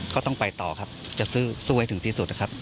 ก็ต้องไปต่อครับจะสู้ให้ถึงที่สุดนะครับ